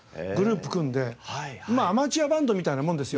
アマチュアバンドみたいなもんですよ。